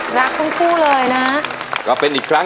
สิบนิ้วผนมและโกมลงคราบ